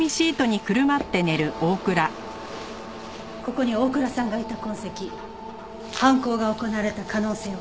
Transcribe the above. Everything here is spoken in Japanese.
ここに大倉さんがいた痕跡犯行が行われた可能性を探りましょう。